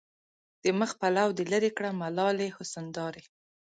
د مخ پلو دې لېري کړه ملالې حسن دارې